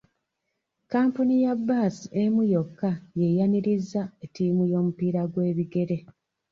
kkampuni ya bbaasi emu yokka y'eyanirizza ttiimu y'omupiira ogw'ebigere.